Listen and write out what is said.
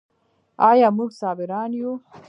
آیا موږ صابران یو؟